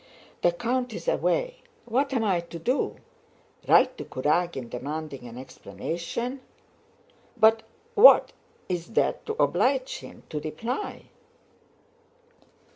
"The count is away. What am I to do? Write to Kurágin demanding an explanation? But what is there to oblige him to reply?